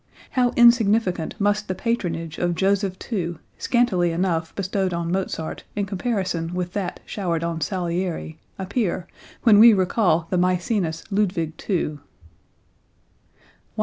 How insignificant must the patronage of Joseph II, scantily enough bestowed on Mozart in comparison with that showered on Salieri, appear, when we recall the Maecenas Ludwig II. 109.